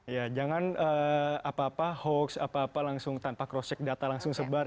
ya jangan apa apa hoax apa apa langsung tanpa cross check data langsung sebar